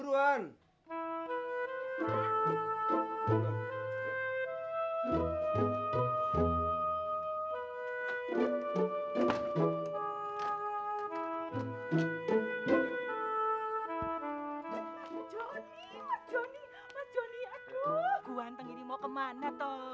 susah banget hidup gue